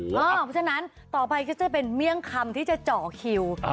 เพราะฉะนั้นต่อไปก็จะเป็นเมี่ยงคำที่จะเจาะคิว